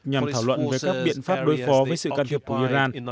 nhằm thảo luận về các biện pháp đối phó với sự can thiệp của iran